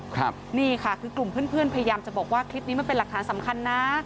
ครับนี่ค่ะคือกลุ่มเพื่อนเพื่อนพยายามจะบอกว่าคลิปนี้มันเป็นหลักฐานสำคัญนะ